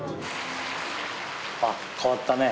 あっ変わったね。